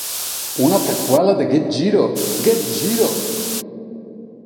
Una preqüela de Get Jiro !, Get Jiro!